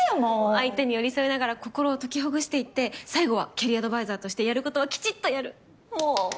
相手に寄り添いながら心を解きほぐしていって最後はキャリアアドバイザーとしてやることはきちっとやるもう。